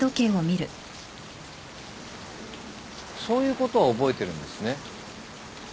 そういうことは覚えてるんですね。